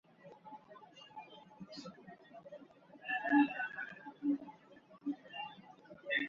Beshinchi qavatdagi xonamda sassiz qadam tashlab, derazalardan birining yoniga keldim.